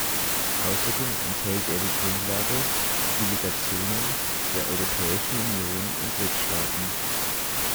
Außerdem enthält er die Grundlage für die Delegationen der Europäischen Union in Drittstaaten.